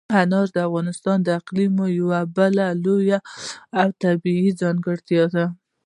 انار د افغانستان د اقلیم یوه بله لویه او طبیعي ځانګړتیا ده.